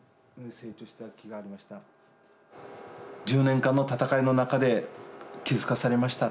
１０年間の闘いの中で気付かされました。